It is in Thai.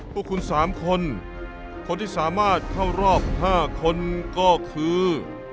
พวกคุณ๓คนคนที่สามารถเข้ารอบ๕คนก็คือ